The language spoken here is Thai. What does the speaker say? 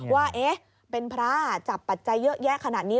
ว่าเป็นพระจับปัจจัยเยอะแยะขนาดนี้